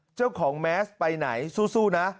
เจ้าของแมสไปไหนสู้นะ